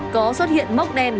có xuất hiện mốc đen